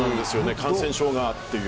感染症がっていう。